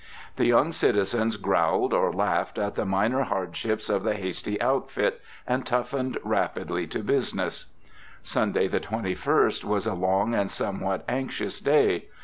The young citizens growled or laughed at the minor hardships of the hasty outfit, and toughened rapidly to business. Sunday, the 21st, was a long and somewhat anxious day.